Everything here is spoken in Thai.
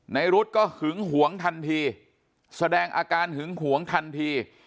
รุ๊ดก็หึงหวงทันทีแสดงอาการหึงหวงทันที